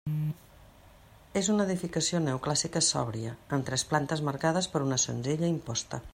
És una edificació neoclàssica sòbria, amb tres plantes marcades per una senzilla imposta.